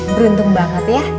beruntung banget ya